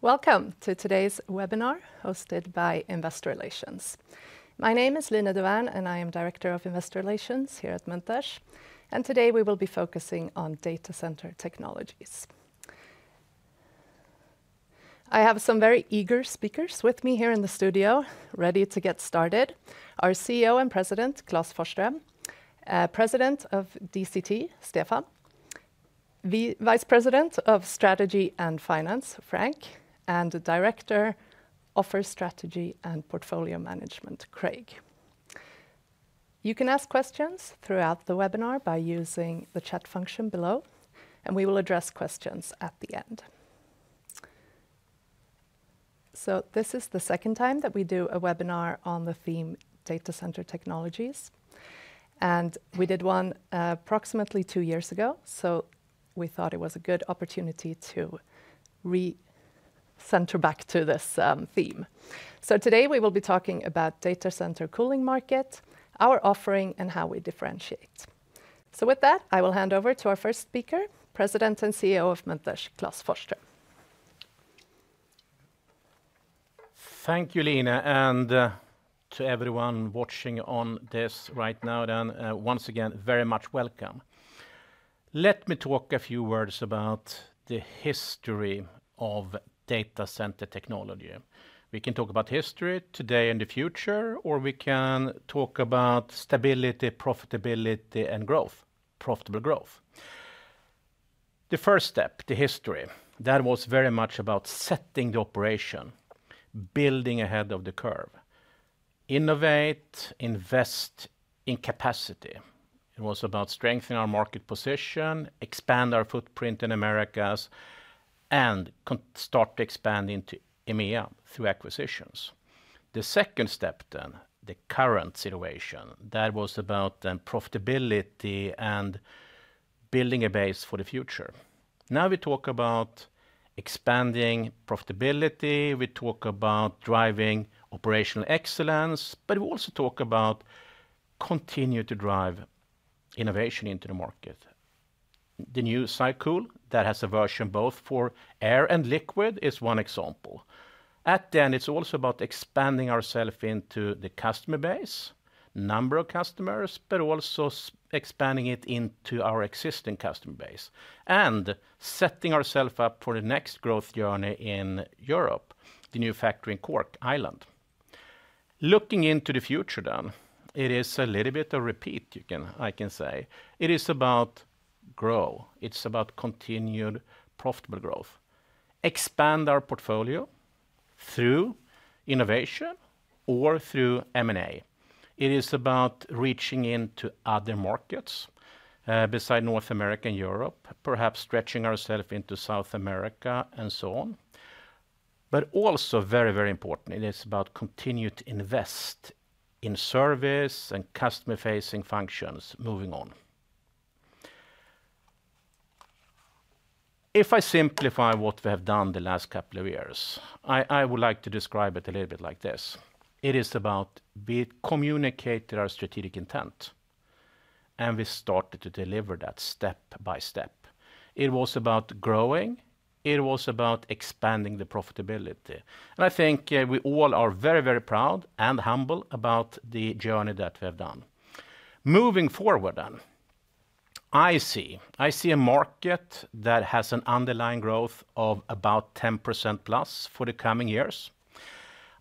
Welcome to today's webinar hosted by Investor Relations. My name is Line Dovärn, and I am Director of Investor Relations here at Munters, and today we will be focusing on Data Center Technologies. I have some very eager speakers with me here in the studio, ready to get started: our CEO and President, Klas Forsström, President of DCT, Stefan, Vice President of Strategy and Finance, Frank, and Director of Offer Strategy and Portfolio Management, Craig. You can ask questions throughout the webinar by using the chat function below, and we will address questions at the end. This is the second time that we do a webinar on the theme data center technologies, and we did one approximately two years ago, so we thought it was a good opportunity to recenter back to this theme. Today we will be talking about data center cooling market, our offering, and how we differentiate. With that, I will hand over to our first speaker, President and CEO of Munters, Klas Forsström. Thank you, Line, and to everyone watching on this right now, then, once again, very much welcome. Let me talk a few words about the history of data center technology. We can talk about history today and the future, or we can talk about stability, profitability, and growth, profitable growth. The first step, the history, that was very much about setting the operation, building ahead of the curve. Innovate, invest in capacity. It was about strengthening our market position, expand our footprint in Americas, and start to expand into EMEA through acquisitions. The second step, then, the current situation, that was about profitability and building a base for the future. Now we talk about expanding profitability, we talk about driving operational excellence, but we also talk about continuing to drive innovation into the market. The new SyCool that has a version both for air and liquid is one example. At the end, it's also about expanding ourselves into the customer base, number of customers, but also expanding it into our existing customer base and setting ourselves up for the next growth journey in Europe, the new factory in Cork, Ireland. Looking into the future, then, it is a little bit of repeat, I can say. It is about grow. It's about continued profitable growth. Expand our portfolio through innovation or through M&A. It is about reaching into other markets besides North America and Europe, perhaps stretching ourselves into South America and so on. But also very, very important, it is about continuing to invest in service and customer-facing functions moving on. If I simplify what we have done the last couple of years, I would like to describe it a little bit like this. It is about we communicated our strategic intent, and we started to deliver that step by step. It was about growing. It was about expanding the profitability. And I think we all are very, very proud and humble about the journey that we have done. Moving forward, then, I see a market that has an underlying growth of about 10%+ for the coming years.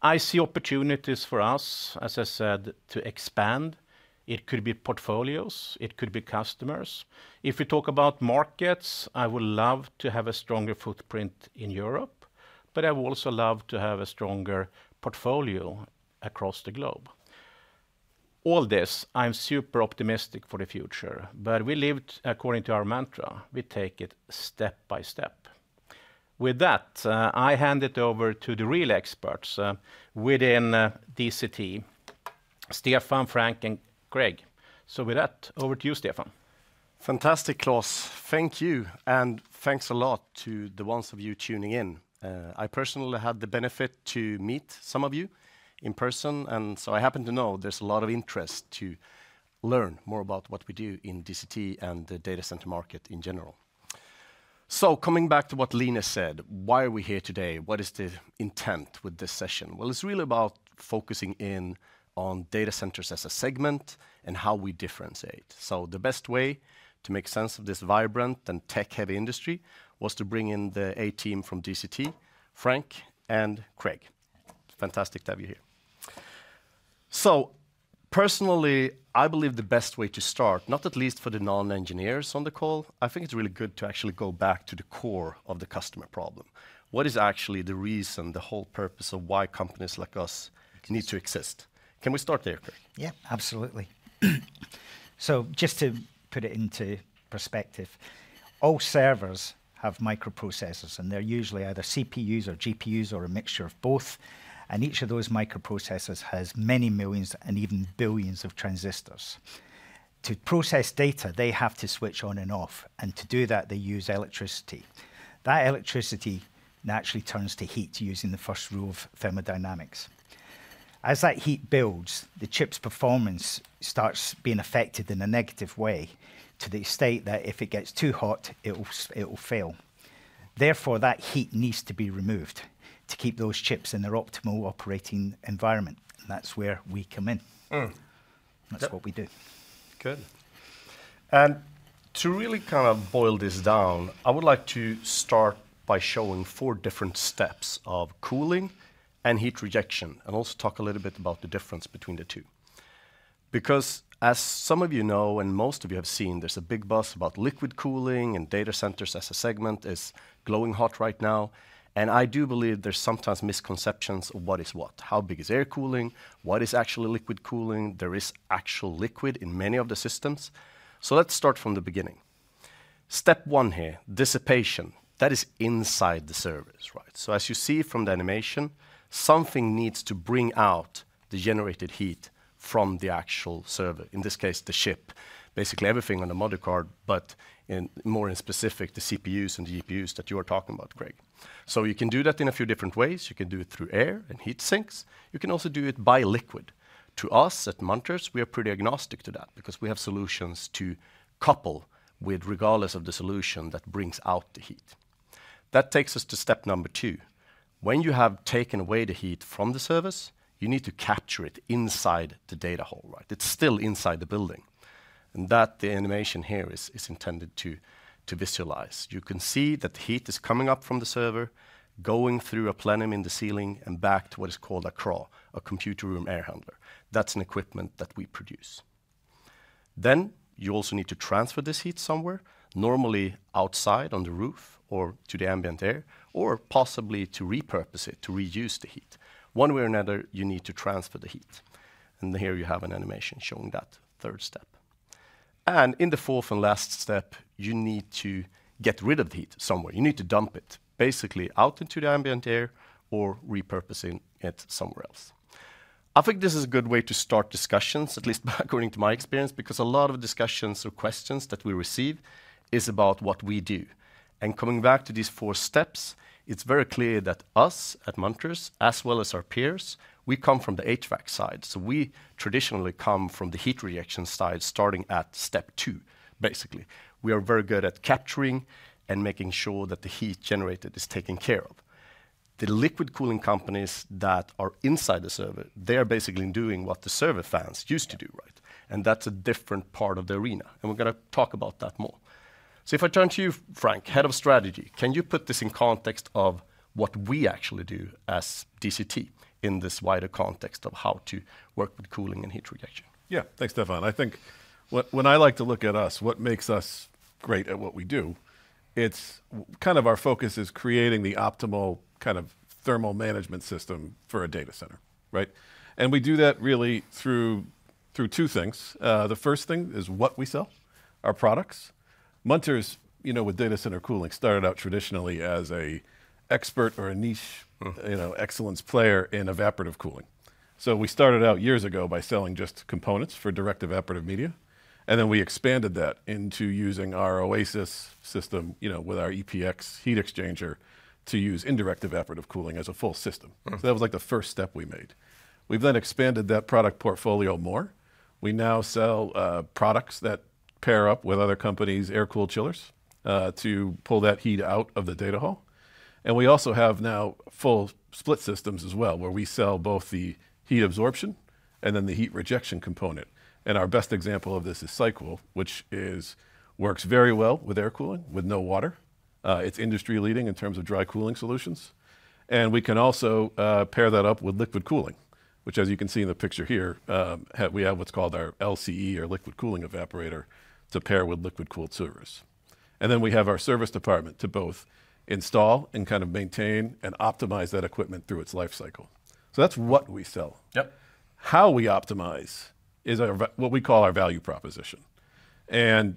I see opportunities for us, as I said, to expand. It could be portfolios. It could be customers. If we talk about markets, I would love to have a stronger footprint in Europe, but I would also love to have a stronger portfolio across the globe. All this, I'm super optimistic for the future, but we lived according to our mantra. We take it step by step. With that, I hand it over to the real experts within DCT, Stefan, Frank, and Craig. So with that, over to you, Stefan. Fantastic, Klas. Thank you, and thanks a lot to the ones of you tuning in. I personally had the benefit to meet some of you in person, and so I happen to know there's a lot of interest to learn more about what we do in DCT and the data center market in general. So coming back to what Line said, why are we here today? What is the intent with this session? Well, it's really about focusing in on data centers as a segment and how we differentiate. So the best way to make sense of this vibrant and tech-heavy industry was to bring in the A team from DCT, Frank and Craig. Fantastic to have you here. So personally, I believe the best way to start, not least for the non-engineers on the call, I think it's really good to actually go back to the core of the customer problem. What is actually the reason, the whole purpose of why companies like us need to exist? Can we start there, Craig? Yeah, absolutely. Just to put it into perspective, all servers have microprocessors, and they're usually either CPUs or GPUs or a mixture of both. Each of those microprocessors has many millions and even billions of transistors. To process data, they have to switch on and off, and to do that, they use electricity. That electricity naturally turns to heat using the first rule of thermodynamics. As that heat builds, the chip's performance starts being affected in a negative way to the state that if it gets too hot, it'll fail. Therefore, that heat needs to be removed to keep those chips in their optimal operating environment. That's where we come in. That's what we do. Good. And to really kind of boil this down, I would like to start by showing four different steps of cooling and heat rejection and also talk a little bit about the difference between the two. Because as some of you know and most of you have seen, there's a big buzz about liquid cooling and data centers as a segment is glowing hot right now. And I do believe there's sometimes misconceptions of what is what. How big is air cooling? What is actually liquid cooling? There is actual liquid in many of the systems. So let's start from the beginning. Step one here, dissipation. That is inside the servers, right? So as you see from the animation, something needs to bring out the generated heat from the actual server, in this case, the chip, basically everything on the motherboard, but more in specific, the CPUs and the GPUs that you are talking about, Craig. So you can do that in a few different ways. You can do it through air and heat sinks. You can also do it by liquid. To us at Munters, we are pretty agnostic to that because we have solutions to couple with regardless of the solution that brings out the heat. That takes us to step number two. When you have taken away the heat from the server, you need to capture it inside the data hall, right? It's still inside the building. And that the animation here is intended to visualize. You can see that the heat is coming up from the server, going through a plenum in the ceiling, and back to what is called a CRAH, a computer room air handler. That's an equipment that we produce. Then you also need to transfer this heat somewhere, normally outside on the roof or to the ambient air or possibly to repurpose it, to reuse the heat. One way or another, you need to transfer the heat. Here you have an animation showing that third step. In the fourth and last step, you need to get rid of the heat somewhere. You need to dump it, basically out into the ambient air or repurposing it somewhere else. I think this is a good way to start discussions, at least according to my experience, because a lot of discussions or questions that we receive is about what we do. Coming back to these four steps, it's very clear that us at Munters, as well as our peers, we come from the HVAC side. We traditionally come from the heat rejection side starting at step two, basically. We are very good at capturing and making sure that the heat generated is taken care of. The liquid cooling companies that are inside the server, they are basically doing what the server fans used to do, right? That's a different part of the equation. We're going to talk about that more. If I turn to you, Frank, Head of Strategy, can you put this in context of what we actually do as DCT in this wider context of how to work with cooling and heat rejection? Yeah, thanks, Stefan. I think when I like to look at us, what makes us great at what we do, it's kind of our focus is creating the optimal kind of thermal management system for a data center, right? And we do that really through two things. The first thing is what we sell, our products. Munters, with data center cooling, started out traditionally as an expert or a niche excellence player in evaporative cooling. So we started out years ago by selling just components for direct evaporative media, and then we expanded that into using our Oasis system with our EPX heat exchanger to use indirect evaporative cooling as a full system. So that was like the first step we made. We've then expanded that product portfolio more. We now sell products that pair up with other companies, air-cooled chillers, to pull that heat out of the data hall. We also have now full split systems as well where we sell both the heat absorption and then the heat rejection component. Our best example of this is SyCool, which works very well with air cooling, with no water. It's industry-leading in terms of dry cooling solutions. We can also pair that up with liquid cooling, which, as you can see in the picture here, we have what's called our LCE or liquid cooling evaporator to pair with liquid-cooled servers. Then we have our service department to both install and kind of maintain and optimize that equipment through its life cycle. So that's what we sell. How we optimize is what we call our value proposition.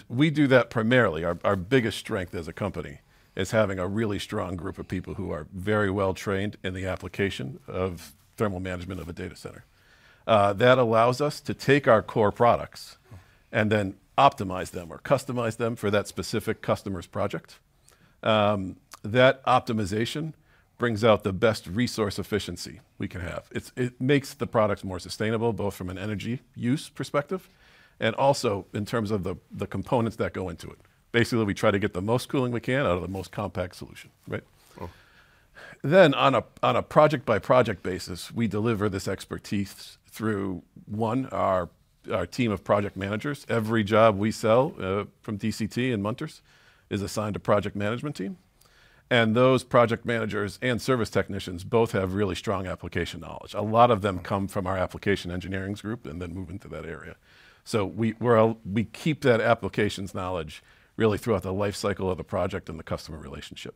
We do that primarily. Our biggest strength as a company is having a really strong group of people who are very well trained in the application of thermal management of a data center. That allows us to take our core products and then optimize them or customize them for that specific customer's project. That optimization brings out the best resource efficiency we can have. It makes the products more sustainable, both from an energy use perspective and also in terms of the components that go into it. Basically, we try to get the most cooling we can out of the most compact solution, right? Then on a project-by-project basis, we deliver this expertise through one, our team of project managers. Every job we sell from DCT and Munters is assigned a project management team. And those project managers and service technicians both have really strong application knowledge. A lot of them come from our application engineering group and then move into that area. We keep that applications knowledge really throughout the life cycle of the project and the customer relationship.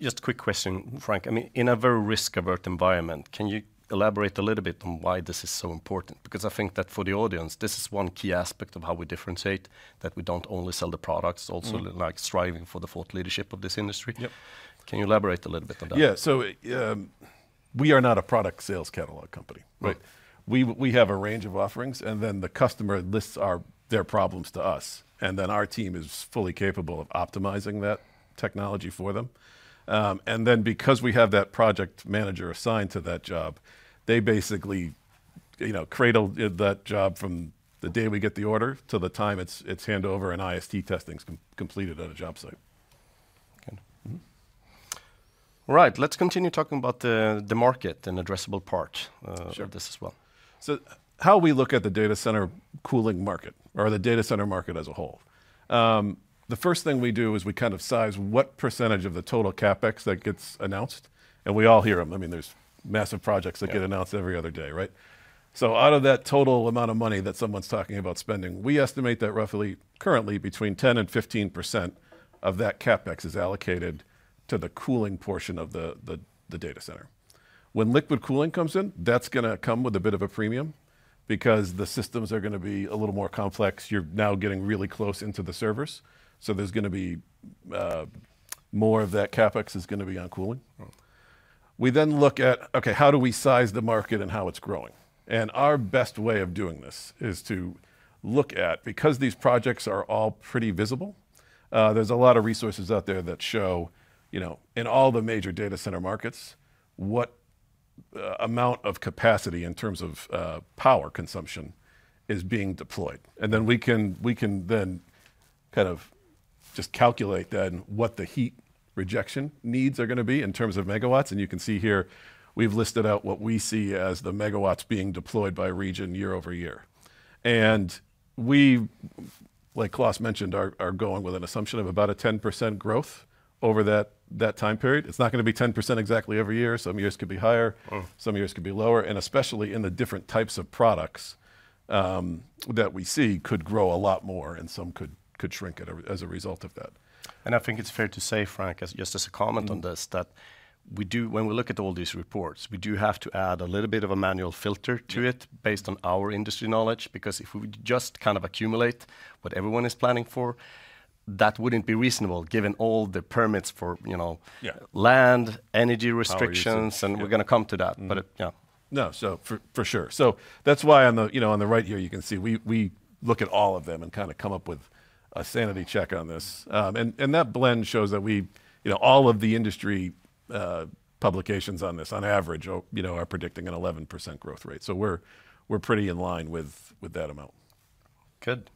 Just a quick question, Frank. I mean, in a very risk-averse environment, can you elaborate a little bit on why this is so important? Because I think that for the audience, this is one key aspect of how we differentiate, that we don't only sell the products, also striving for the thought leadership of this industry. Can you elaborate a little bit on that? Yeah. So we are not a product sales catalog company, right? We have a range of offerings, and then the customer lists their problems to us, and then our team is fully capable of optimizing that technology for them. And then because we have that project manager assigned to that job, they basically cradle that job from the day we get the order to the time it's handover and IST Testing is completed at a job site. All right. Let's continue talking about the market and addressable part of this as well. So, how we look at the data center cooling market or the data center market as a whole. The first thing we do is we kind of size what percentage of the total CapEx that gets announced. And we all hear them. I mean, there's massive projects that get announced every other day, right? So out of that total amount of money that someone's talking about spending, we estimate that roughly currently between 10%-15% of that CapEx is allocated to the cooling portion of the data center. When liquid cooling comes in, that's going to come with a bit of a premium because the systems are going to be a little more complex. You're now getting really close into the servers. So there's going to be more of that CapEx is going to be on cooling. We then look at, okay, how do we size the market and how it's growing? And our best way of doing this is to look at, because these projects are all pretty visible, there's a lot of resources out there that show in all the major data center markets what amount of capacity in terms of power consumption is being deployed. And then we can then kind of just calculate then what the heat rejection needs are going to be in terms of MWs. And you can see here we've listed out what we see as the MWs being deployed by region year-over-year. And we, like Klas mentioned, are going with an assumption of about a 10% growth over that time period. It's not going to be 10% exactly every year. Some years could be higher, some years could be lower, and especially in the different types of products that we see could grow a lot more and some could shrink as a result of that. I think it's fair to say, Frank, just as a comment on this, that when we look at all these reports, we do have to add a little bit of a manual filter to it based on our industry knowledge, because if we just kind of accumulate what everyone is planning for, that wouldn't be reasonable given all the permits for land, energy restrictions. And we're going to come to that. But yeah. No. So for sure. So that's why, on the right here, you can see we look at all of them and kind of come up with a sanity check on this. And that blend shows that all of the industry publications on this, on average, are predicting an 11% growth rate. So we're pretty in line with that amount. Good.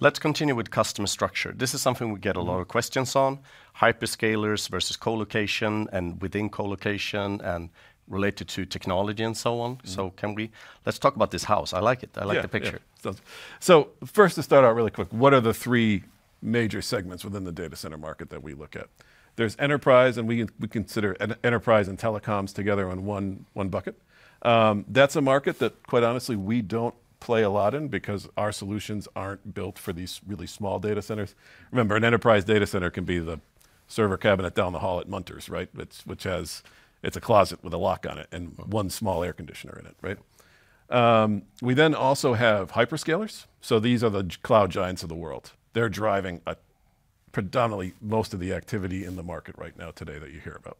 Let's continue with customer structure. This is something we get a lot of questions on, Hyperscalers versus Colocation and within Colocation and related to technology and so on. So let's talk about this house. I like it. I like the picture. So first, to start out really quick, what are the three major segments within the data center market that we look at? There's enterprise, and we consider enterprise and telecoms together in one bucket. That's a market that, quite honestly, we don't play a lot in because our solutions aren't built for these really small data centers. Remember, an enterprise data center can be the server cabinet down the hall at Munters, right? It's a closet with a lock on it and one small air conditioner in it, right? We then also have Hyperscalers. So these are the cloud giants of the world. They're driving predominantly most of the activity in the market right now today that you hear about.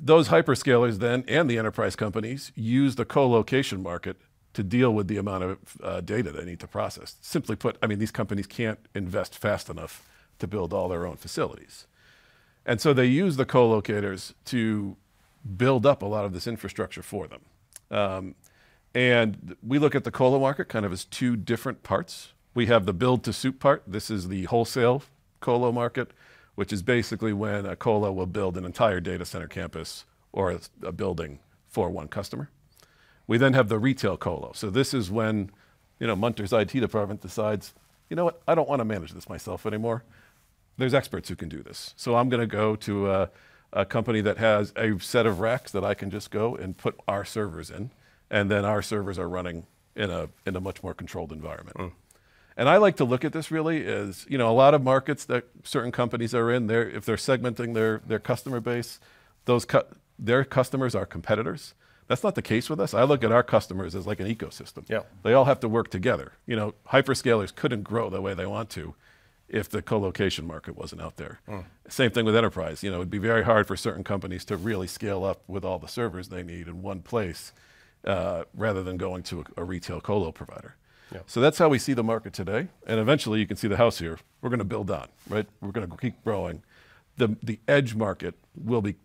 Those Hyperscalers then and the enterprise companies use the Colocation market to deal with the amount of data they need to process. Simply put, I mean, these companies can't invest fast enough to build all their own facilities. So they use the Colocators to build up a lot of this infrastructure for them. We look at the Colo market kind of as two different parts. We have the build-to-suit part. This is the wholesale Colo market, which is basically when a Colo will build an entire data center campus or a building for one customer. We then have the retail Colo. So this is when Munters' IT department decides, you know what? I don't want to manage this myself anymore. There's experts who can do this. So I'm going to go to a company that has a set of racks that I can just go and put our servers in, and then our servers are running in a much more controlled environment. I like to look at this really as a lot of markets that certain companies are in there, if they're segmenting their customer base, their customers are competitors. That's not the case with us. I look at our customers as like an ecosystem. They all have to work together. Hyperscalers couldn't grow the way they want to if the Colocation market wasn't out there. Same thing with enterprise. It would be very hard for certain companies to really scale up with all the servers they need in one place rather than going to a retail Colo provider. So that's how we see the market today. Eventually, you can see the house here. We're going to build on, right? We're going to keep growing. The edge market will be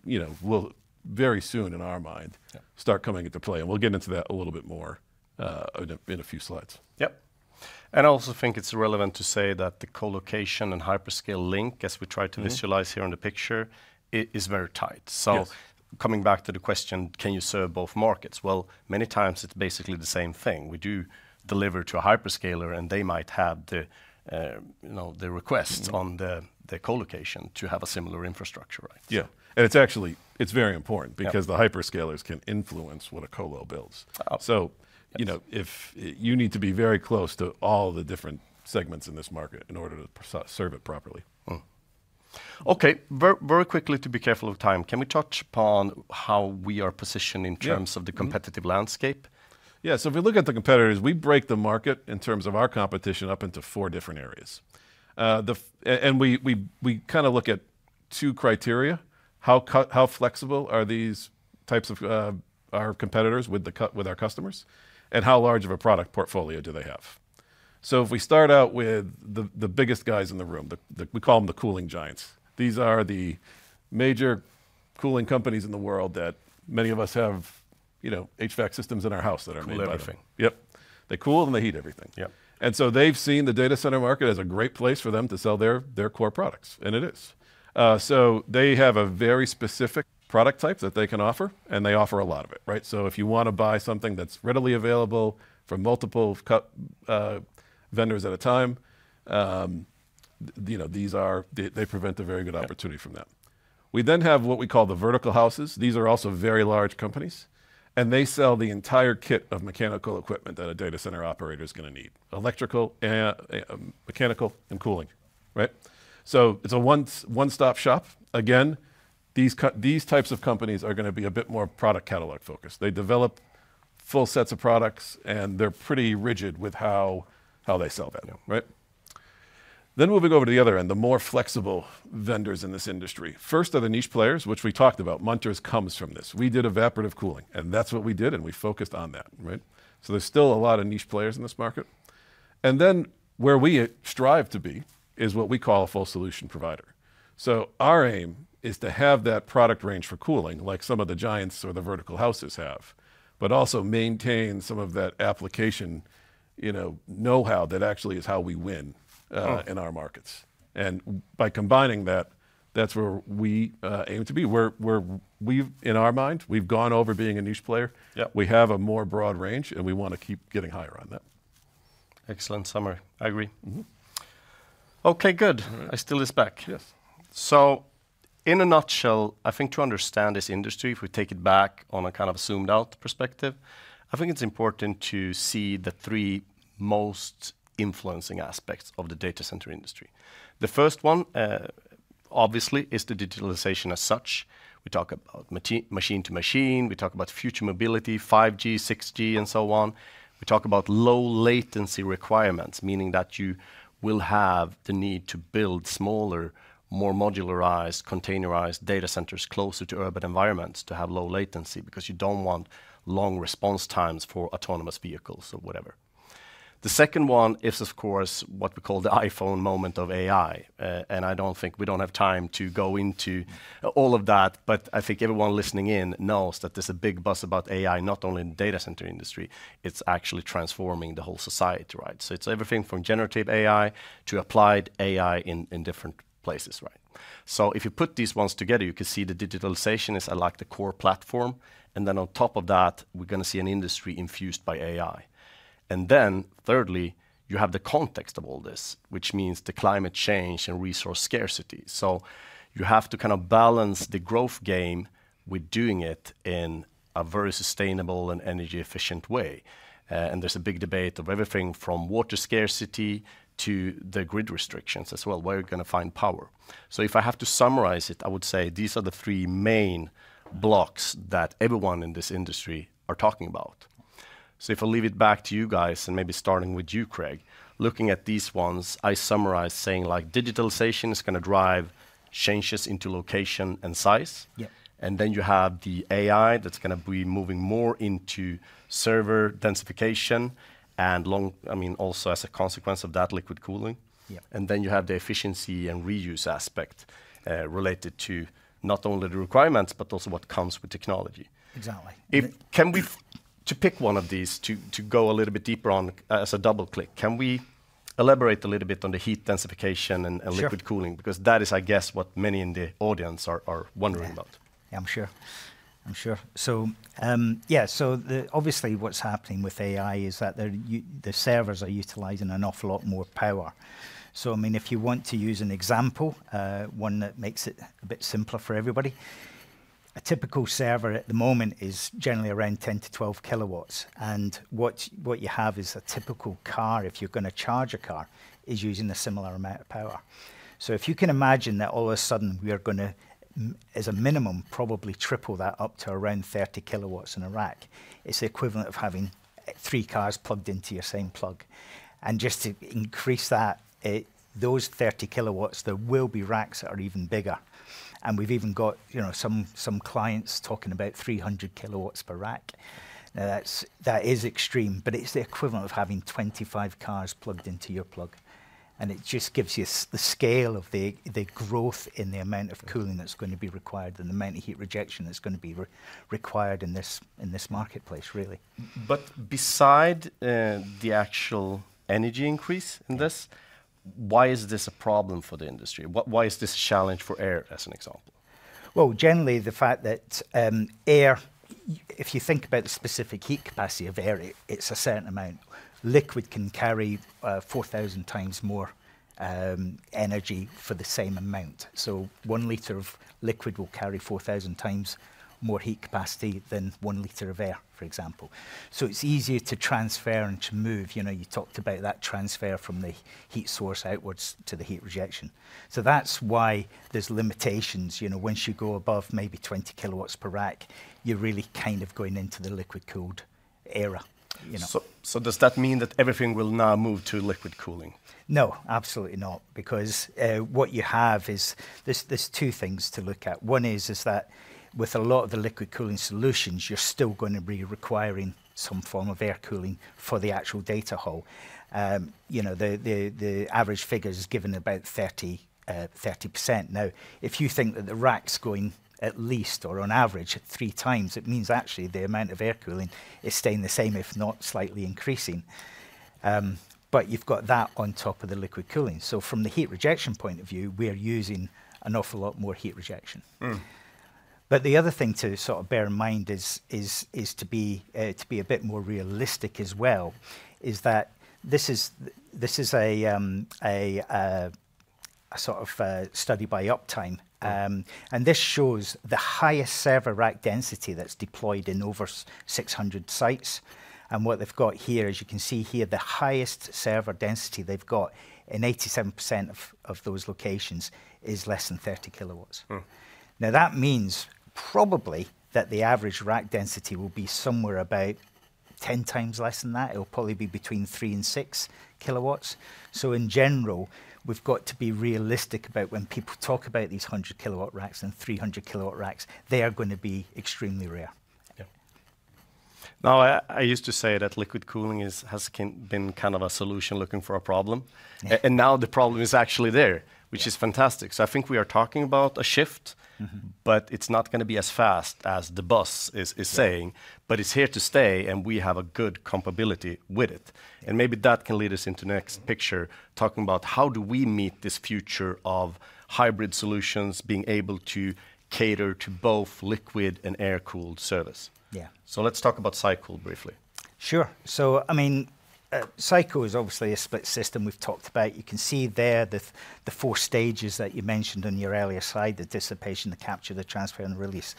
very soon, in our mind, start coming into play, and we'll get into that a little bit more in a few slides. Yep. And I also think it's relevant to say that the Colocation and hyperscale link, as we try to visualize here in the picture, is very tight. So coming back to the question, can you serve both markets? Well, many times it's basically the same thing. We do deliver to a hyperscaler, and they might have the requests on the Colocation to have a similar infrastructure, right? Yeah. It's very important because the hyperscalers can influence what a Colo builds. You need to be very close to all the different segments in this market in order to serve it properly. Okay. Very quickly, to be careful of time, can we touch upon how we are positioned in terms of the competitive landscape? Yeah. So if we look at the competitors, we break the market in terms of our competition up into four different areas. And we kind of look at two criteria: how flexible are these types of our competitors with our customers, and how large of a product portfolio do they have? So if we start out with the biggest guys in the room, we call them the cooling giants. These are the major cooling companies in the world that many of us have HVAC systems in our house that are made by the thing. Yep. They cool and they heat everything. And so they've seen the data center market as a great place for them to sell their core products. And it is. So they have a very specific product type that they can offer, and they offer a lot of it, right? So if you want to buy something that's readily available from multiple vendors at a time, they prevent a very good opportunity from that. We then have what we call the vertical houses. These are also very large companies, and they sell the entire kit of mechanical equipment that a data center operator is going to need: electrical, mechanical, and cooling, right? So it's a one-stop shop. Again, these types of companies are going to be a bit more product catalog focused. They develop full sets of products, and they're pretty rigid with how they sell that, right? Then we'll move over to the other end, the more flexible vendors in this industry. First are the niche players, which we talked about. Munters comes from this. We did evaporative cooling, and that's what we did, and we focused on that, right? There's still a lot of niche players in this market. Then where we strive to be is what we call a full solution provider. Our aim is to have that product range for cooling like some of the giants or the vertical houses have, but also maintain some of that application know-how that actually is how we win in our markets. By combining that, that's where we aim to be. In our mind, we've gone over being a niche player. We have a more broad range, and we want to keep getting higher on that. Excellent summary. I agree. Okay. Good. So in a nutshell, I think to understand this industry, if we take it back on a kind of zoomed-out perspective, I think it's important to see the three most influencing aspects of the data center industry. The first one, obviously, is the digitalization as such. We talk about machine-to-machine. We talk about future mobility, 5G, 6G, and so on. We talk about low latency requirements, meaning that you will have the need to build smaller, more modularized, containerized data centers closer to urban environments to have low latency because you don't want long response times for autonomous vehicles or whatever. The second one is, of course, what we call the iPhone moment of AI. I don't think we don't have time to go into all of that, but I think everyone listening in knows that there's a big buzz about AI, not only in the data center industry. It's actually transforming the whole society, right? So it's everything from generative AI to applied AI in different places, right? So if you put these ones together, you can see the digitalization is like the core platform. And then on top of that, we're going to see an industry infused by AI. And then thirdly, you have the context of all this, which means the climate change and resource scarcity. So you have to kind of balance the growth game with doing it in a very sustainable and energy-efficient way. And there's a big debate of everything from water scarcity to the grid restrictions as well, where you're going to find power. So if I have to summarize it, I would say these are the three main blocks that everyone in this industry are talking about. So if I leave it back to you guys and maybe starting with you, Craig, looking at these ones, I summarize saying digitalization is going to drive changes into location and size. And then you have the AI that's going to be moving more into server densification and, I mean, also as a consequence of that, liquid cooling. And then you have the efficiency and reuse aspect related to not only the requirements, but also what comes with technology. Can we, to pick one of these, to go a little bit deeper on as a double click, can we elaborate a little bit on the heat densification and liquid cooling? Because that is, I guess, what many in the audience are wondering about. Yeah, I'm sure. I'm sure. So yeah, so obviously what's happening with AI is that the servers are utilizing an awful lot more power. So, I mean, if you want to use an example, one that makes it a bit simpler for everybody, a typical server at the moment is generally around 10-12 kW. And what you have is a typical car. If you're going to charge a car, it's using a similar amount of power. So if you can imagine that all of a sudden we are going to, as a minimum, probably triple that up to around 30 kW in a rack, it's the equivalent of having three cars plugged into your same plug. And just to increase that, those 30 kW, there will be racks that are even bigger. And we've even got some clients talking about 300 kW per rack. Now, that is extreme, but it's the equivalent of having 25 cars plugged into your plug. And it just gives you the scale of the growth in the amount of cooling that's going to be required and the amount of heat rejection that's going to be required in this marketplace, really. But besides the actual energy increase in this, why is this a problem for the industry? Why is this a challenge for air, as an example? Well, generally, the fact that air, if you think about the specific heat capacity of air, it's a certain amount. Liquid can carry 4,000 times more energy for the same amount. So one liter of liquid will carry 4,000 times more heat capacity than one liter of air, for example. So it's easier to transfer and to move. You talked about that transfer from the heat source outwards to the heat rejection. So that's why there's limitations. Once you go above maybe 20 kW per rack, you're really kind of going into the liquid-cooled era. So does that mean that everything will now move to liquid cooling? No, absolutely not. Because what you have is there's two things to look at. One is that with a lot of the liquid cooling solutions, you're still going to be requiring some form of air cooling for the actual data hall. The average figure is given about 30%. Now, if you think that the rack's going at least or on average three times, it means actually the amount of air cooling is staying the same, if not slightly increasing. But you've got that on top of the liquid cooling. So from the heat rejection point of view, we're using an awful lot more heat rejection. But the other thing to sort of bear in mind is to be a bit more realistic as well, is that this is a sort of study by Uptime. And this shows the highest server rack density that's deployed in over 600 sites. And what they've got here, as you can see here, the highest server density they've got in 87% of those locations is less than 30 kW. Now, that means probably that the average rack density will be somewhere about 10 times less than that. It'll probably be between 3 kW and 6 kW. So in general, we've got to be realistic about when people talk about these 100 kW racks and 300 kW racks. They are going to be extremely rare. Yeah. Now, I used to say that liquid cooling has been kind of a solution looking for a problem. Now the problem is actually there, which is fantastic. So I think we are talking about a shift, but it's not going to be as fast as the buzz is saying, but it's here to stay, and we have a good compatibility with it. And maybe that can lead us into the next picture, talking about how do we meet this future of hybrid solutions being able to cater to both liquid and air-cooled servers? Yeah. So let's talk about SyCool briefly. Sure. So, I mean, SyCool is obviously a split system we've talked about. You can see there the four stages that you mentioned on your earlier slide: the dissipation, the capture, the transfer, and the release.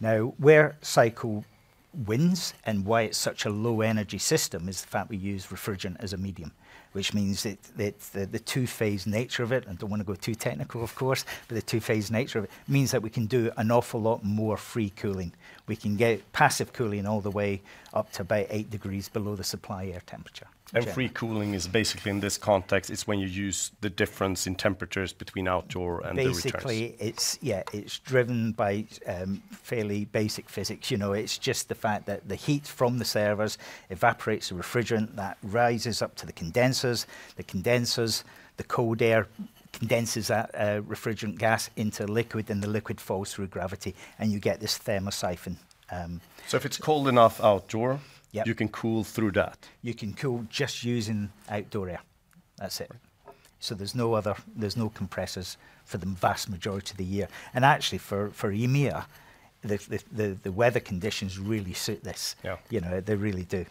Now, where SyCool wins and why it's such a low-energy system is the fact we use refrigerant as a medium, which means that the two-phase nature of it—I don't want to go too technical, of course—but the two-phase nature of it means that we can do an awful lot more free cooling. We can get passive cooling all the way up to about eight degrees below the supply air temperature. And free cooling is basically, in this context, it's when you use the difference in temperatures between outdoor and the indoor. Yeah. It's driven by fairly basic physics. It's just the fact that the heat from the servers evaporates the refrigerant that rises up to the condensers. The condensers, the cold air condenses that refrigerant gas into liquid, and the liquid falls through gravity, and you get this thermosyphon. So if it's cold enough outdoor, you can cool through that? You can cool just using outdoor air. That's it. So there's no compressors for the vast majority of the year. And actually, for EMEA, the weather conditions really suit this. They really do.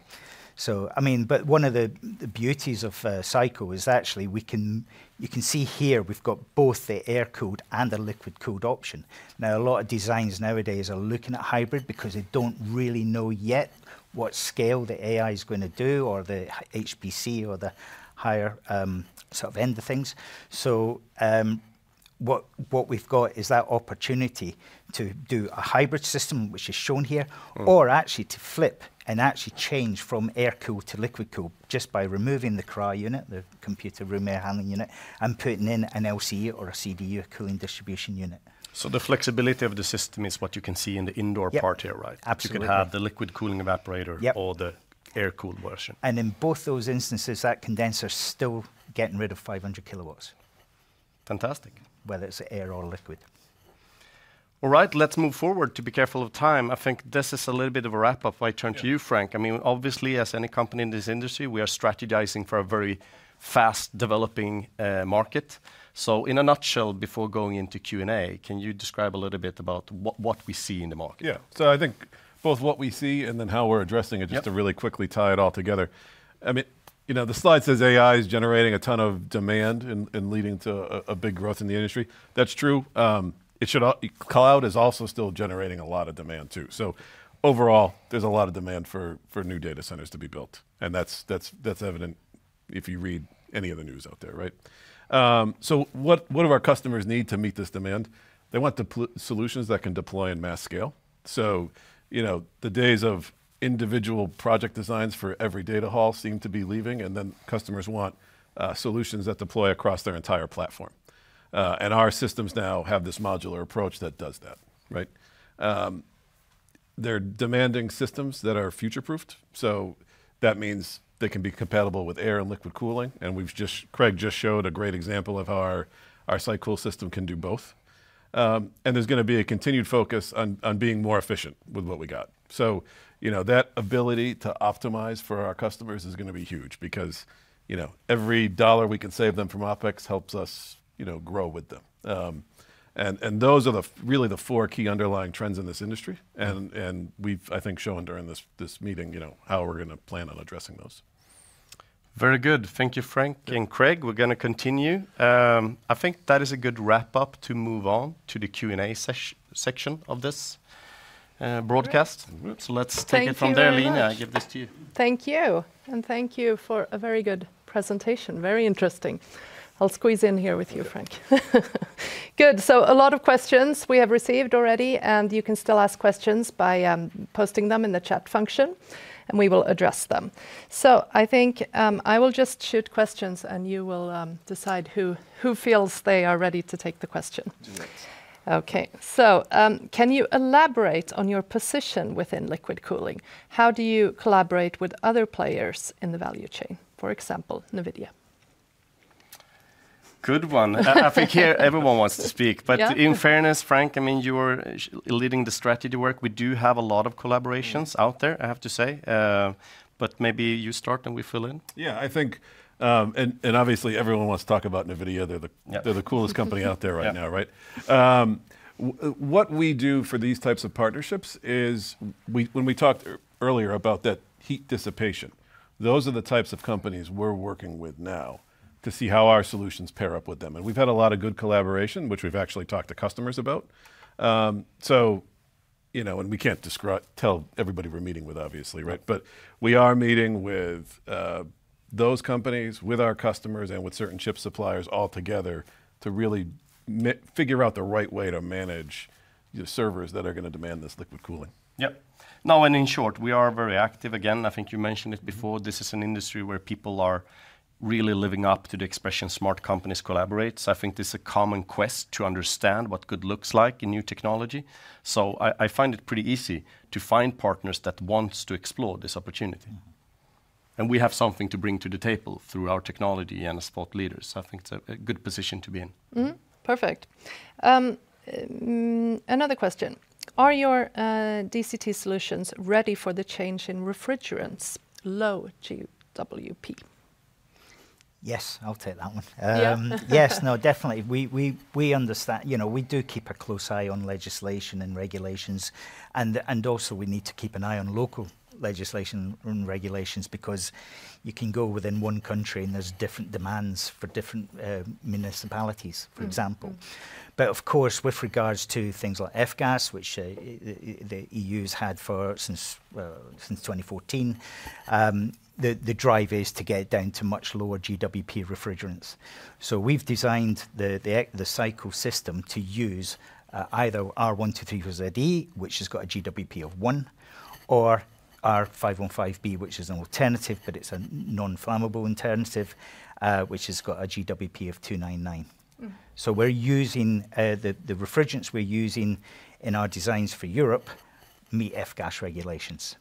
So, I mean, but one of the beauties of SyCool is actually you can see here we've got both the air-cooled and the liquid-cooled option. Now, a lot of designs nowadays are looking at hybrid because they don't really know yet what scale the AI is going to do or the HPC or the higher sort of end of things. So what we've got is that opportunity to do a hybrid system, which is shown here, or actually to flip and actually change from air-cooled to liquid-cooled just by removing the CRAH unit, the computer room air handling unit, and putting in an LCU or a CDU cooling distribution unit. So the flexibility of the system is what you can see in the indoor part here, right? You can have the liquid cooling evaporator or the air-cooled version. And in both those instances, that condenser is still getting rid of 500 kW. Fantastic. Whether it's air or liquid. All right. Let's move forward. To be careful of time, I think this is a little bit of a wrap-up. I turn to you, Frank. I mean, obviously, as any company in this industry, we are strategizing for a very fast-developing market. So in a nutshell, before going into Q&A, can you describe a little bit about what we see in the market? Yeah. So I think both what we see and then how we're addressing it, just to really quickly tie it all together. I mean, the slide says AI is generating a ton of demand and leading to a big growth in the industry. That's true. Cloud is also still generating a lot of demand, too. So overall, there's a lot of demand for new data centers to be built. And that's evident if you read any of the news out there, right? So what do our customers need to meet this demand? They want solutions that can deploy in mass scale. So the days of individual project designs for every data hall seem to be leaving, and then customers want solutions that deploy across their entire platform. And our systems now have this modular approach that does that, right? They're demanding systems that are future-proofed. So that means they can be compatible with air and liquid cooling. And Craig just showed a great example of how our SyCool system can do both. And there's going to be a continued focus on being more efficient with what we got. So that ability to optimize for our customers is going to be huge because every dollar we can save them from OpEx helps us grow with them. And those are really the four key underlying trends in this industry. And we've, I think, shown during this meeting how we're going to plan on addressing those. Very good. Thank you, Frank. And Craig, we're going to continue. I think that is a good wrap-up to move on to the Q&A section of this broadcast. So let's take it from there. Line, I give this to you. Thank you. And thank you for a very good presentation. Very interesting. I'll squeeze in here with you, Frank. Good. So a lot of questions we have received already, and you can still ask questions by posting them in the chat function, and we will address them. So I think I will just shoot questions, and you will decide who feels they are ready to take the question. Do that. Okay. So can you elaborate on your position within liquid cooling? How do you collaborate with other players in the value chain, for example, NVIDIA? Good one. I think here everyone wants to speak. But in fairness, Frank, I mean, you are leading the strategy work. We do have a lot of collaborations out there, I have to say. But maybe you start and we fill in. Yeah. And obviously, everyone wants to talk about NVIDIA. They're the coolest company out there right now, right? What we do for these types of partnerships is when we talked earlier about that heat dissipation, those are the types of companies we're working with now to see how our solutions pair up with them. We've had a lot of good collaboration, which we've actually talked to customers about. We can't tell everybody we're meeting with, obviously, right? But we are meeting with those companies, with our customers, and with certain chip suppliers altogether to really figure out the right way to manage the servers that are going to demand this liquid cooling. Yep. Now, in short, we are very active. Again, I think you mentioned it before. This is an industry where people are really living up to the expression "smart companies collaborate." So I think it's a common quest to understand what good looks like in new technology. I find it pretty easy to find partners that want to explore this opportunity. We have something to bring to the table through our technology and as thought leaders. I think it's a good position to be in. Perfect. Another question. Are your DCT solutions ready for the change in refrigerants, low GWP? Yes, I'll take that one. Yes. No, definitely. We do keep a close eye on legislation and regulations. Also, we need to keep an eye on local legislation and regulations because you can go within one country, and there's different demands for different municipalities, for example. Of course, with regards to things like F-gas, which the EU has had since 2014, the drive is to get down to much lower GWP refrigerants. So we've designed the SyCool system to use either R123ze, which has got a GWP of one, or R515B, which is an alternative, but it's a non-flammable alternative, which has got a GWP of 299. So the refrigerants we're using in our designs for Europe meet F-gas regulations.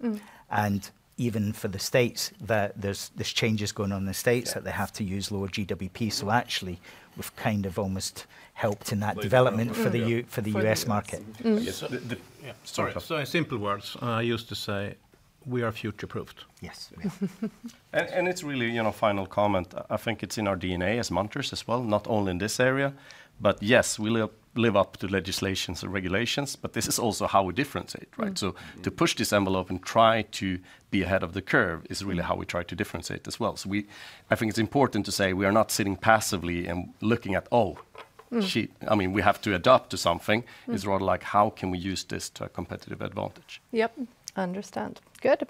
Even for the states, there's changes going on in the states that they have to use lower GWP. So actually, we've kind of almost helped in that development for the US market. Yeah. Sorry. So in simple words, I used to say we are future-proofed. Yes. And it's really a final comment. I think it's in our DNA as Munters as well, not only in this area. But yes, we live up to legislation and regulations, but this is also how we differentiate, right? So to push this envelope and try to be ahead of the curve is really how we try to differentiate as well. So I think it's important to say we are not sitting passively and looking at, "Oh, I mean, we have to adapt to something." It's rather like, "How can we use this to a competitive advantage?" Yep. Understand. Good.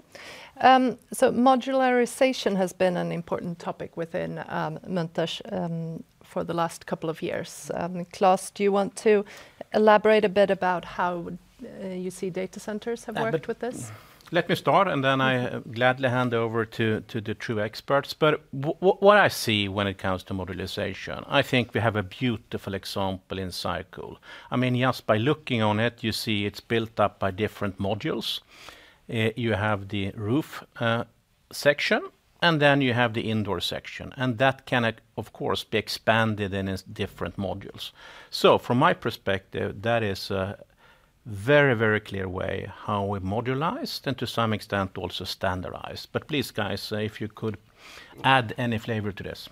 So modularization has been an important topic within Munters for the last couple of years. Klas, do you want to elaborate a bit about how you see data centers have worked with this? Let me start, and then I gladly hand over to the true experts. But what I see when it comes to modularization, I think we have a beautiful example in SyCool. I mean, just by looking on it, you see it's built up by different modules. You have the roof section, and then you have the indoor section. And that can, of course, be expanded into different modules. So from my perspective, that is a very, very clear way how we modularize and to some extent also standardize. But please, guys, if you could add any flavor to this.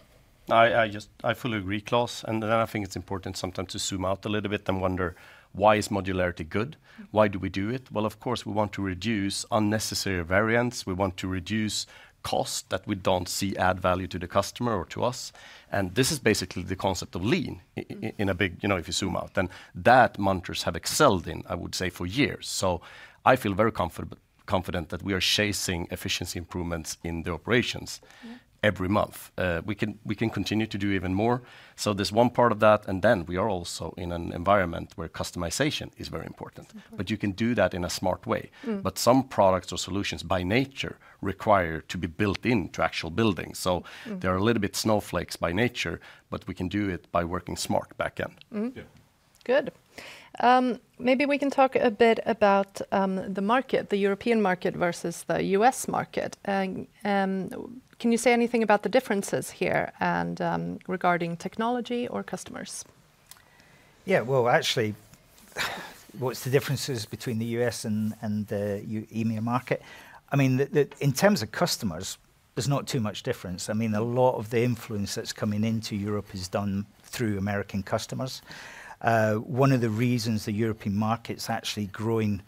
I fully agree, Klas. And then I think it's important sometimes to zoom out a little bit and wonder, why is modularity good? Why do we do it? Well, of course, we want to reduce unnecessary variants. We want to reduce cost that we don't see add value to the customer or to us. And this is basically the concept of lean in a big if you zoom out. And that Munters have excelled in, I would say, for years. So I feel very confident that we are chasing efficiency improvements in the operations every month. We can continue to do even more. So there's one part of that. And then we are also in an environment where customization is very important. But you can do that in a smart way. But some products or solutions by nature require to be built into actual buildings. So they are a little bit snowflakes by nature, but we can do it by working smart back end. Yeah. Good. Maybe we can talk a bit about the market, the European market versus the U.S. market. Can you say anything about the differences here regarding technology or customers? Yeah. Well, actually, what's the differences between the U.S. and the EMEA market? I mean, in terms of customers, there's not too much difference. I mean, a lot of the influence that's coming into Europe is done through American customers. One of the reasons the European market's actually growing,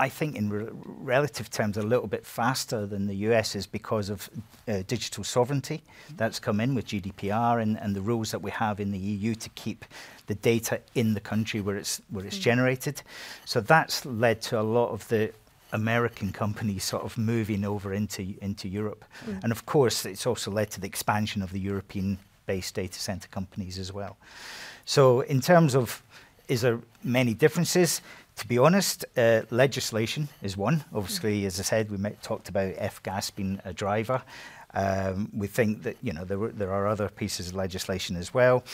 I think, in relative terms, a little bit faster than the U.S. is because of digital sovereignty that's come in with GDPR and the rules that we have in the EU to keep the data in the country where it's generated. So that's led to a lot of the American companies sort of moving over into Europe. And of course, it's also led to the expansion of the European-based data center companies as well. So in terms of many differences, to be honest, legislation is one. Obviously, as I said, we talked about F-gas being a driver. We think that there are other pieces of legislation as well.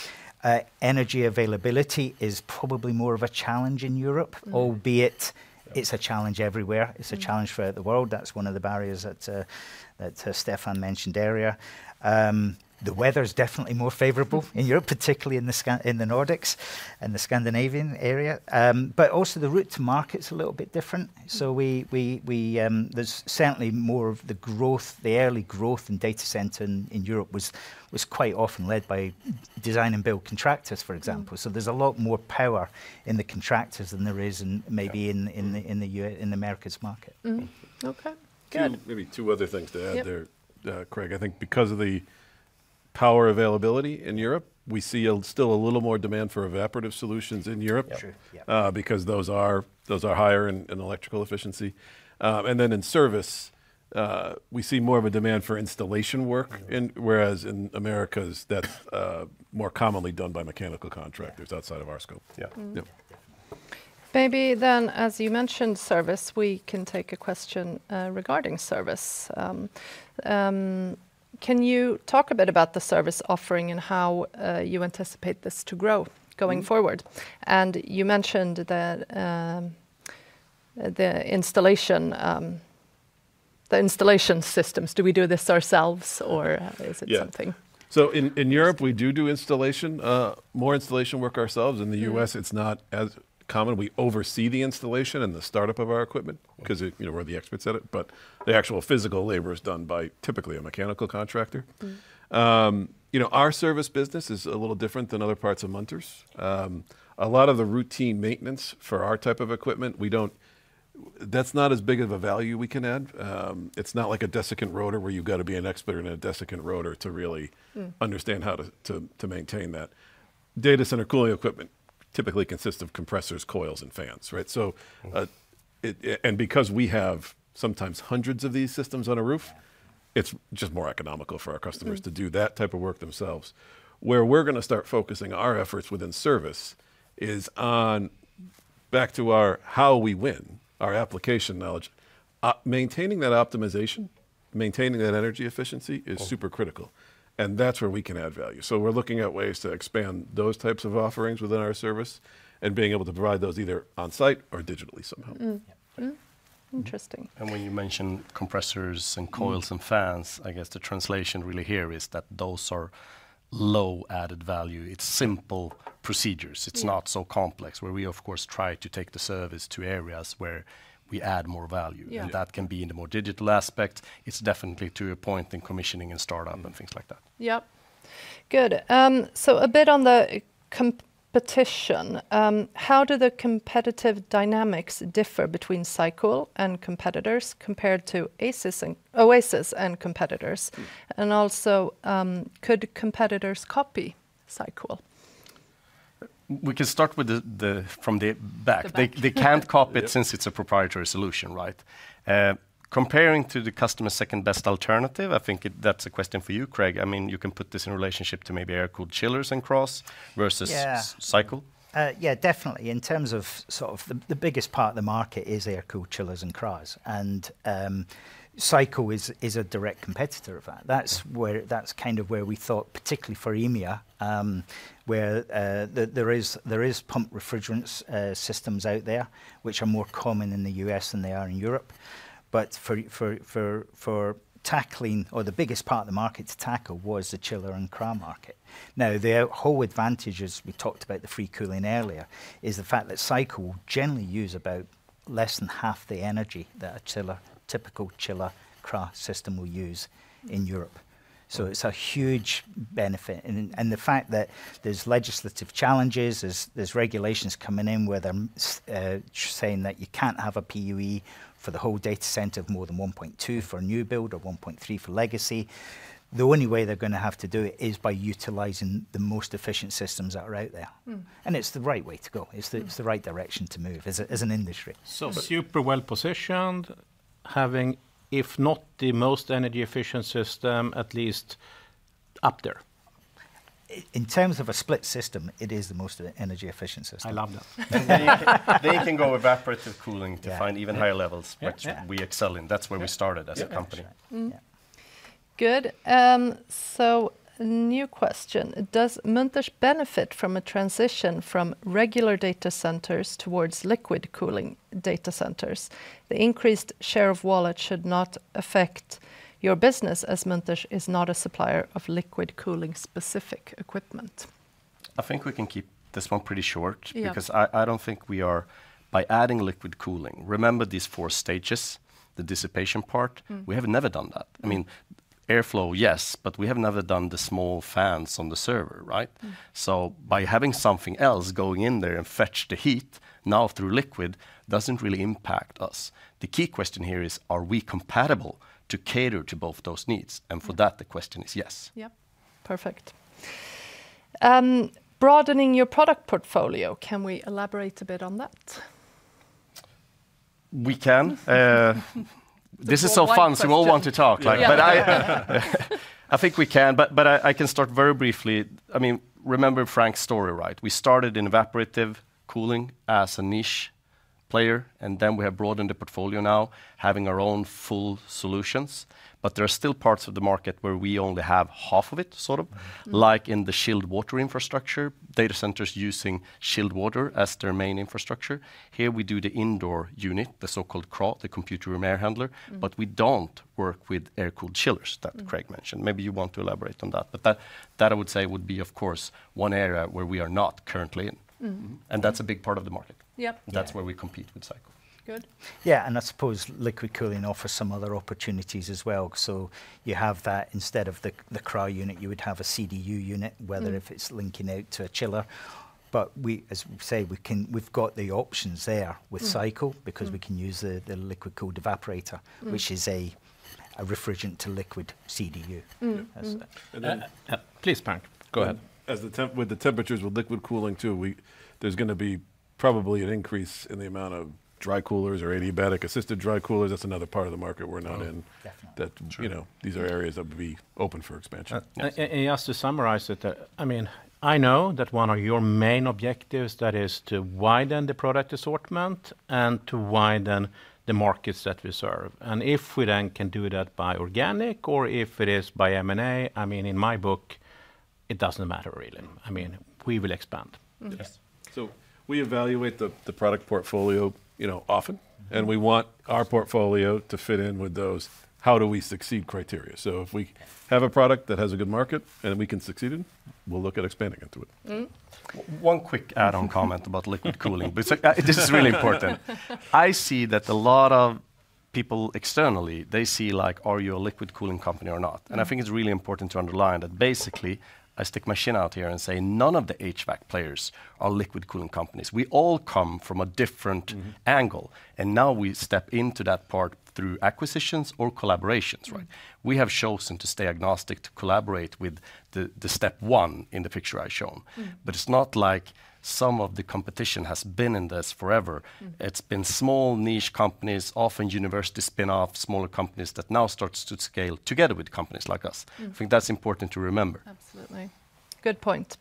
Energy availability is probably more of a challenge in Europe, albeit it's a challenge everywhere. It's a challenge for the world. That's one of the barriers that Stefan mentioned earlier. The weather is definitely more favorable in Europe, particularly in the Nordics and the Scandinavian area. But also, the route to market's a little bit different. So there's certainly more of the early growth in data center in Europe was quite often led by design and build contractors, for example. So there's a lot more power in the contractors than there is maybe in the Americas market. Okay. Good. And maybe two other things to add there, Craig. I think because of the power availability in Europe, we see still a little more demand for evaporative solutions in Europe because those are higher in electrical efficiency. And then in service, we see more of a demand for installation work, whereas in the Americas, that's more commonly done by mechanical contractors outside of our scope. Yeah. Yeah. Maybe then, as you mentioned service, we can take a question regarding service. Can you talk a bit about the service offering and how you anticipate this to grow going forward? You mentioned the installation systems. Do we do this ourselves, or is it something? Yeah. In Europe, we do do more installation work ourselves. In the U.S., it's not as common. We oversee the installation and the startup of our equipment because we're the experts at it. But the actual physical labor is done by typically a mechanical contractor. Our service business is a little different than other parts of Munters. A lot of the routine maintenance for our type of equipment, that's not as big of a value we can add. It's not like a desiccant rotor where you've got to be an expert in a desiccant rotor to really understand how to maintain that. Data center cooling equipment typically consists of compressors, coils, and fans, right? Because we have sometimes hundreds of these systems on a roof, it's just more economical for our customers to do that type of work themselves. Where we're going to start focusing our efforts within service is back to how we win, our application knowledge. Maintaining that optimization, maintaining that energy efficiency is super critical. That's where we can add value. We're looking at ways to expand those types of offerings within our service and being able to provide those either on-site or digitally somehow. Yeah. Interesting. When you mention compressors and coils and fans, I guess the translation really here is that those are low-added value. It's simple procedures. It's not so complex, where we, of course, try to take the service to areas where we add more value. That can be in the more digital aspect. It's definitely to your point in commissioning and startup and things like that. Yep. Good. So a bit on the competition. How do the competitive dynamics differ between SyCool and competitors compared to Oasis and competitors? And also, could competitors copy SyCool? We can start from the back. They can't copy it since it's a proprietary solution, right? Comparing to the customer's second-best alternative, I think that's a question for you, Craig. I mean, you can put this in relationship to maybe air-cooled chillers and CRAHs versus SyCool. Yeah. Definitely. In terms of sort of the biggest part of the market is air-cooled chillers and CRAHs. And SyCool is a direct competitor of that. That's kind of where we thought, particularly for EMEA, where there are pumped refrigerant systems out there which are more common in the U.S. than they are in Europe. But for tackling or the biggest part of the market to tackle was the chiller and CRAH market. Now, the whole advantage, as we talked about the free cooling earlier, is the fact that SyCool will generally use about less than half the energy that a typical chiller CRAH system will use in Europe. So it's a huge benefit. And the fact that there's legislative challenges, there's regulations coming in where they're saying that you can't have a PUE for the whole data center of more than 1.2 for a new build or 1.3 for legacy. The only way they're going to have to do it is by utilizing the most efficient systems that are out there. And it's the right way to go. It's the right direction to move as an industry. So super well-positioned, having, if not the most energy-efficient system, at least up there? In terms of a split system, it is the most energy-efficient system. I love that. They can go evaporative cooling to find even higher levels, which we excel in. That's where we started as a company. Yeah. Good. So new question. Does Munters benefit from a transition from regular data centers towards liquid cooling data centers? The increased share of wallet should not affect your business as Munters is not a supplier of liquid cooling-specific equipment. I think we can keep this one pretty short because I don't think we are by adding liquid cooling. Remember these four stages, the dissipation part. We have never done that. I mean, airflow, yes, but we have never done the small fans on the server, right? So by having something else going in there and fetch the heat now through liquid doesn't really impact us. The key question here is, are we compatible to cater to both those needs? And for that, the question is yes. Yep. Perfect. Broadening your product portfolio, can we elaborate a bit on that? We can. This is so fun. So we all want to talk. But I think we can. But I can start very briefly. I mean, remember Frank's story, right? We started in evaporative cooling as a niche player. And then we have broadened the portfolio now, having our own full solutions. But there are still parts of the market where we only have half of it, sort of, like in the chilled water infrastructure, data centers using chilled water as their main infrastructure. Here, we do the indoor unit, the so-called CRAH, the computer room air handler. But we don't work with air-cooled chillers that Craig mentioned. Maybe you want to elaborate on that. That, I would say, would be, of course, one area where we are not currently in. That's a big part of the market. That's where we compete with SyCool. Good. Yeah. I suppose liquid cooling offers some other opportunities as well. So you have that instead of the CRAH unit, you would have a CDU unit, whether if it's linking out to a chiller. But as we say, we've got the options there with SyCool because we can use the liquid-cooled evaporator, which is a refrigerant-to-liquid CDU. Please, Frank. Go ahead. With the temperatures with liquid cooling too, there's going to be probably an increase in the amount of dry coolers or adiabatic-assisted dry coolers. That's another part of the market we're not in. These are areas that would be open for expansion. Just to summarize it, I mean, I know that one of your main objectives, that is, to widen the product assortment and to widen the markets that we serve. And if we then can do that by organic or if it is by M&A, I mean, in my book, it doesn't matter really. I mean, we will expand. Yes. So we evaluate the product portfolio often. And we want our portfolio to fit in with those how-do-we-succeed criteria. So if we have a product that has a good market and we can succeed in, we'll look at expanding into it. One quick add-on comment about liquid cooling. This is really important. I see that a lot of people externally, they see like, are you a liquid cooling company or not? I think it's really important to underline that basically, I stick my chin out here and say none of the HVAC players are liquid cooling companies. We all come from a different angle. And now we step into that part through acquisitions or collaborations, right? We have chosen to stay agnostic, to collaborate with the step one in the picture I've shown. But it's not like some of the competition has been in this forever. It's been small niche companies, often university spinoffs, smaller companies that now start to scale together with companies like us. I think that's important to remember. Absolutely. Good point.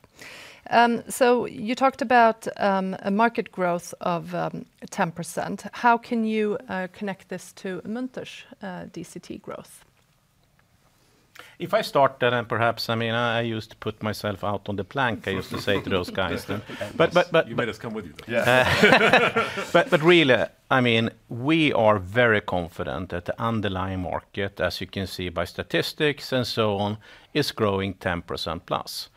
So you talked about a market growth of 10%. How can you connect this to Munters DCT growth? If I start there, then perhaps I mean, I used to put myself out on the plank. I used to say to those guys then. But you made us come with you then. Yeah. But really, I mean, we are very confident that the underlying market, as you can see by statistics and so on, is growing 10%+.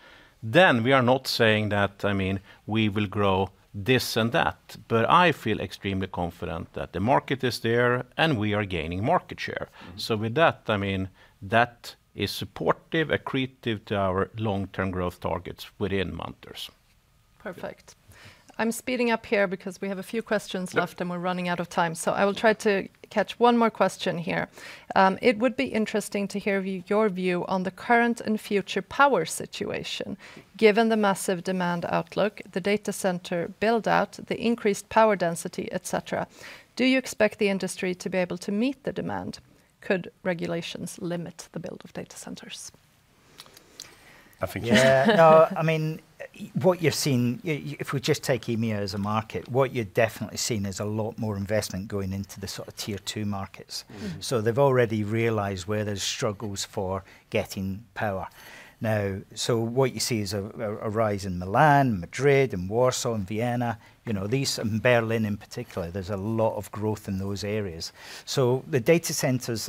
Then we are not saying that, I mean, we will grow this and that. But I feel extremely confident that the market is there, and we are gaining market share. So with that, I mean, that is supportive, accretive to our long-term growth targets within Munters. Perfect. I'm speeding up here because we have a few questions left, and we're running out of time. So I will try to catch one more question here. It would be interesting to hear your view on the current and future power situation. Given the massive demand outlook, the data center build-out, the increased power density, etc., do you expect the industry to be able to meet the demand? Could regulations limit the build of data centers? I think just yeah. No. I mean, what you've seen if we just take EMEA as a market, what you're definitely seeing is a lot more investment going into the sort of tier two markets. So they've already realized where there's struggles for getting power. So what you see is a rise in Milan, Madrid, and Warsaw, and Vienna. And Berlin in particular, there's a lot of growth in those areas. So the data centers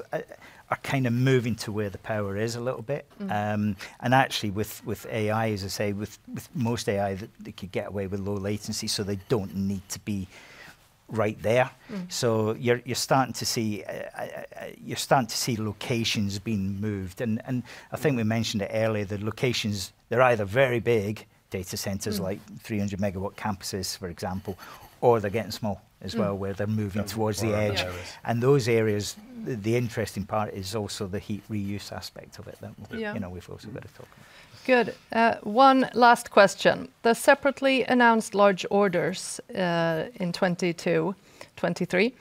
are kind of moving to where the power is a little bit. And actually, with AI, as I say, with most AI, they could get away with low latency, so they don't need to be right there. So you're starting to see locations being moved. And I think we mentioned it earlier. They're either very big data centers like 300-MW campuses, for example, or they're getting small as well, where they're moving towards the edge. Those areas, the interesting part is also the heat reuse aspect of it that we've also got to talk about. Good. One last question. The separately announced large orders in 2022, 2023,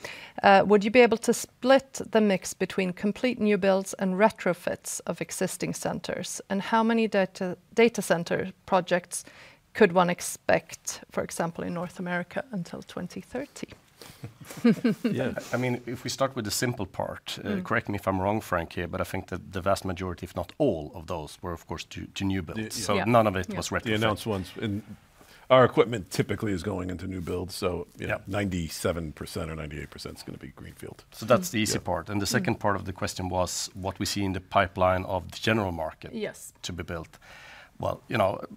would you be able to split the mix between complete new builds and retrofits of existing centers? And how many data center projects could one expect, for example, in North America until 2030? Yeah. I mean, if we start with the simple part, correct me if I'm wrong, Frank, here, but I think that the vast majority, if not all, of those were, of course, to new builds. So none of it was retrofitted. The announced ones. And our equipment typically is going into new builds. So 97% or 98% is going to be Greenfield. So that's the easy part. And the second part of the question was what we see in the pipeline of the general market to be built. Well,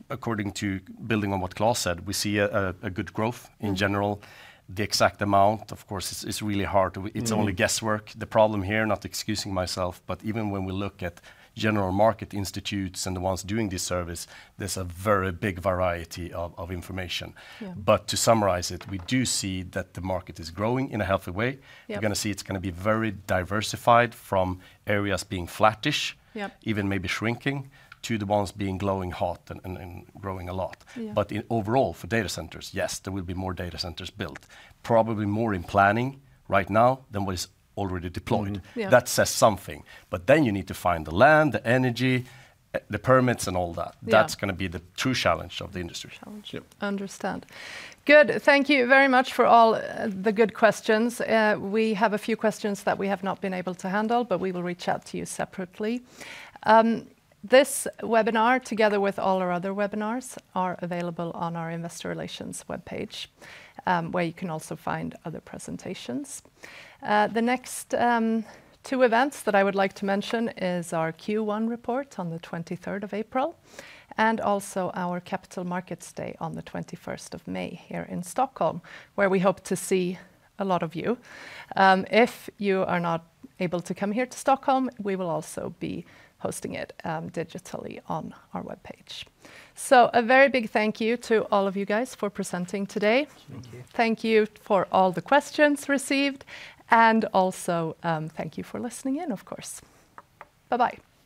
according to building on what Klas said, we see a good growth in general. The exact amount, of course, is really hard. It's only guesswork. The problem here, not excusing myself, but even when we look at general market institutes and the ones doing this service, there's a very big variety of information. But to summarize it, we do see that the market is growing in a healthy way. We're going to see it's going to be very diversified from areas being flattish, even maybe shrinking, to the ones being glowing hot and growing a lot. But overall, for data centers, yes, there will be more data centers built, probably more in planning right now than what is already deployed. That says something. But then you need to find the land, the energy, the permits, and all that. That's going to be the true challenge of the industry. Challenge. Understand. Good. Thank you very much for all the good questions. We have a few questions that we have not been able to handle, but we will reach out to you separately. This webinar, together with all our other webinars, are available on our Investor Relations webpage, where you can also find other presentations. The next two events that I would like to mention are our Q1 report on the 23rd of April and also our Capital Markets Day on the 21st of May here in Stockholm, where we hope to see a lot of you. If you are not able to come here to Stockholm, we will also be hosting it digitally on our webpage. A very big thank you to all of you guys for presenting today. Thank you. Thank you for all the questions received. Also, thank you for listening in, of course. Bye-bye.